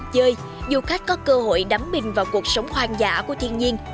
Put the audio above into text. chơi du khách có cơ hội đắm mình vào cuộc sống hoang dã của thiên nhiên